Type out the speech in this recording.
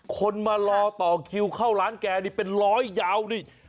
คนมารอต่อคิวเข้าร้านแกนี่เป็นร้อยยาวนี่